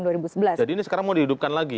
jadi ini sekarang mau dihidupkan lagi